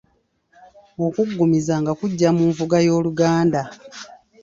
Okuggumiza nga kujja mu nvuga y’Oluganda.